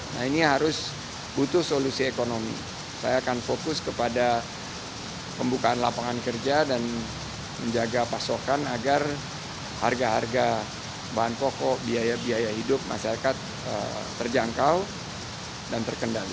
nah ini harus butuh solusi ekonomi saya akan fokus kepada pembukaan lapangan kerja dan menjaga pasokan agar harga harga bahan pokok biaya biaya hidup masyarakat terjangkau dan terkendali